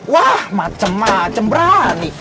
wah macem macem berani